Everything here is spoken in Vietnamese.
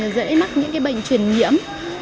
dễ mắc những cái bệnh truyền nhiễm